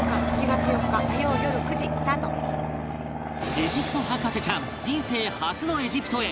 エジプト博士ちゃん人生初のエジプトへ